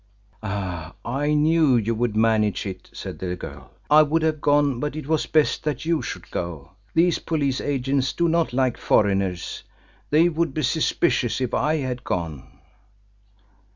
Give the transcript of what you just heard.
"Ah, I knew you would manage it," said the girl. "I would have gone, but it was best that you should go. These police agents do not like foreigners they would be suspicious if I had gone."